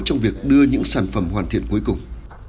trong việc đưa những sản phẩm hoàn thiện cuối cùng